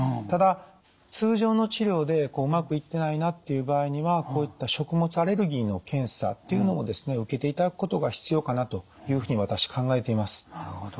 ただ通常の治療でうまくいってないなっていう場合にはこういった食物アレルギーの検査っていうのもですね受けていただくことが必要かなというふうに私考えています。